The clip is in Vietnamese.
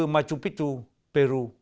machu picchu peru